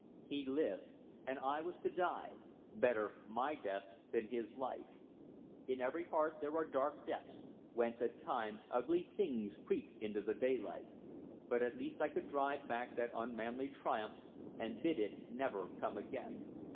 He lived, and I was to die: better my death than his life. In every heart there are dark depths, whence at times ugly things creep into the daylight; but at least I could drive back that unmanly triumph, and bid it never come again.